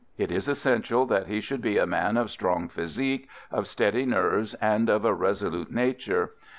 It is essential that he should be a man of strong physique, of steady nerves, and of a resolute nature.